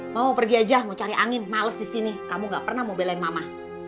mau pergi aja mau cari angin males di sini kamu gak pernah mau belain mama